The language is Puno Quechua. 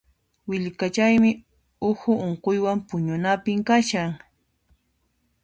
Willkachaymi uhu unquywan puñunapim kashan.